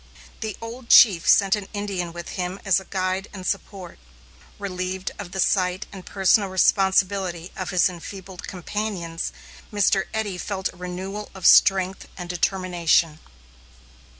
The old chief sent an Indian with him as a guide and support. Relieved of the sight and personal responsibility of his enfeebled companions, Mr. Eddy felt a renewal of strength and determination.